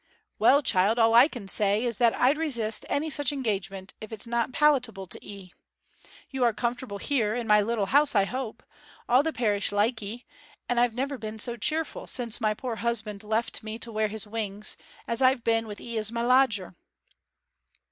'Well, child, all I can say is that I'd resist any such engagement if it's not palatable to 'ee. You are comfortable here, in my little house, I hope. All the parish like 'ee: and I've never been so cheerful, since my poor husband left me to wear his wings, as I've been with 'ee as my lodger.'